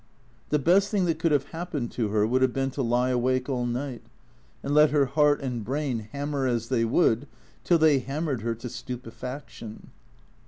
The best thing that could have happened to her would have been to lie awake all night, and let her heart and brain ham mer as they would, till they hammered her to stupefaction.